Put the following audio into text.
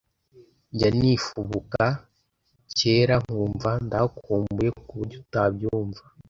Njya nifubuka cyera nkumva ndahakumbuye kuburyo utabyumva